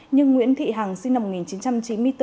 nhưng nguyễn thị hằng sinh năm một nghìn chín trăm chín mươi bốn